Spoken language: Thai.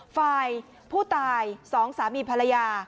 ฝ่ายผู้ตายสองสามีภรรยา